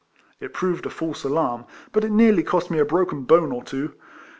It proved a false alarm ; but it nearly cost me a broken bone or two.